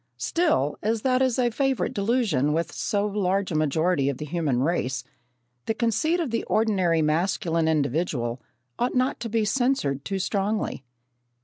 Still, as that is a favourite delusion with so large a majority of the human race, the conceit of the ordinary masculine individual ought not to be censured too strongly.